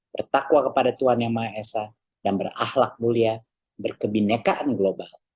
bertakwa kepada tuhan yang maha esa dan berahlak mulia berkebinekaan global